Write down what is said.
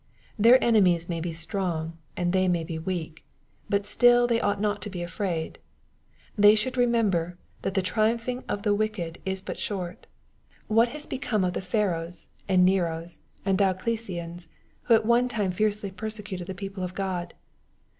Their enemies may be strong, and they may be weak ; but still they ought not to be afraid. They should rememberthat " the triumphing of the wicked 1 16 EXPOttlTOBT THOUGHTS. 18 but short.'' What has become of the Pharaohs and Neros and Diocletians, who at one time fiercely pertse cuted the {»eople of God?